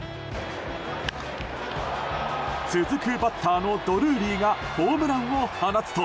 続くバッターのドルーリーがホームランを放つと。